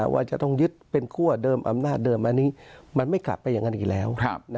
ว่าจะต้องยึดเป็นคั่วเดิมอำนาจเดิมอันนี้มันไม่กลับไปอย่างนั้นอีกแล้ว